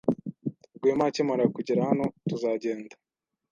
Rwema akimara kugera hano, tuzagenda.